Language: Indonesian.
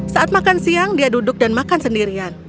saat makan siang dia duduk dan makan sendirian